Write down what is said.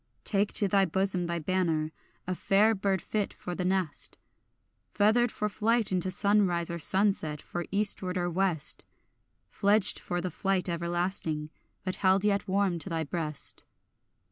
Take to thy bosom thy banner, a fair bird fit for the nest, Feathered for flight into sunrise or sunset, for eastward or west, Fledged for the flight everlasting, but held yet warm to thy breast.